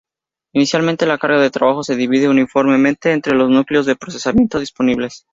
Inicialmente la carga de trabajo se divide uniformemente entre los núcleos de procesamiento disponibles.